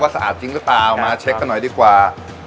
สะอาดจริงหรือเปล่ามาเช็คกันหน่อยดีกว่า